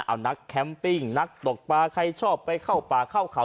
เอานักแคมปิ้งนักตกปลาใครชอบไปเข้าป่าเข้าเขา